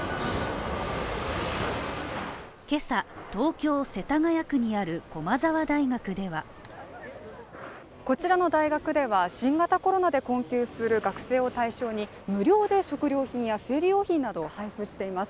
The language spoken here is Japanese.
今朝、東京世田谷区にある駒澤大学ではこちらの大学では新型コロナで困窮する学生を対象に無料で食料品や生理用品などを配布しています。